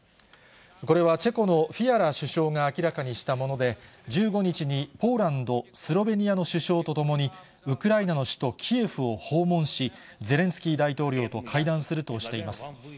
これはチェコのフィアラ首相が明らかにしたもので、１５日に、ポーランド、スロベニアの首相とともに、ウクライナの首都キエフを訪問し、ゼレンスキー大統領と会談するとしています。